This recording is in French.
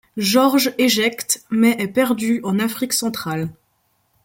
George éjecte, mais est perdu en Afrique centrale.